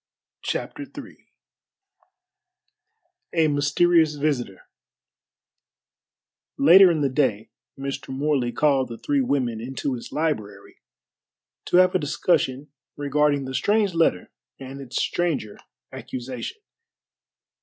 CHAPTER III A MYSTERIOUS VISITOR Later in the day Mr. Morley called the three women into his library to have a discussion regarding the strange letter and its stranger accusation.